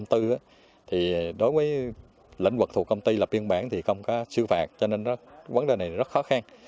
thì đối với lĩnh vực thuộc công ty lập biên bản thì không có sư phạt cho nên vấn đề này rất khó khăn